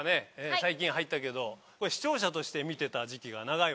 最近入ったけど視聴者として見てた時期が長いわけだよね。